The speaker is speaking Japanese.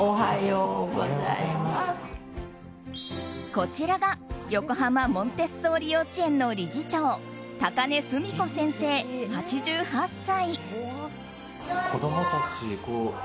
こちらが横浜・モンテッソーリ幼稚園の理事長・高根澄子先生、８８歳。